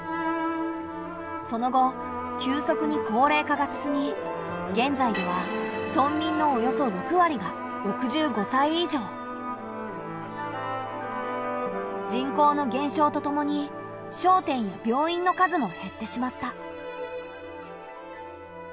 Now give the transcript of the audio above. その後急速に高齢化が進み現在では人口の減少とともに商店や病院の数も減ってしまった。